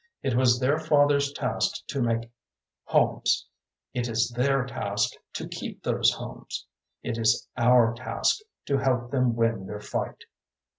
It was their fathers' task to make homes; it is their task to keep those homes; it is our task to help them win their fight.